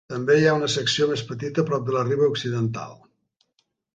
També hi ha una secció més petita prop de la riba occidental.